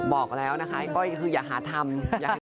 บอกแล้วนะคะไอ้ก้อยคืออย่าหาทำ